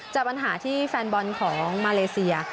จากปัญหาที่แฟนบอลของมาเลเซีย